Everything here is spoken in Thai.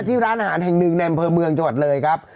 ที่ร้านอาหารแห่งหนึ่งแต่มฟรเมืองจาวดเลยครับ